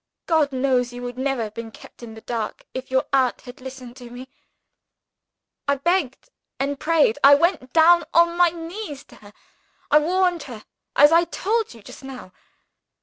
God knows you would never have been kept in the dark, if your aunt had listened to me. I begged and prayed I went down on my knees to her I warned her, as I told you just now.